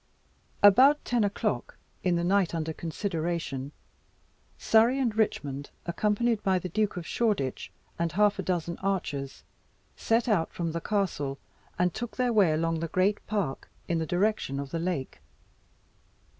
About ten o'clock in the night under consideration, Surrey and Richmond, accompanied by the Duke of Shoreditch, and half a dozen other archers, set out from the castle, and took their way along the great park, in the direction of the lake.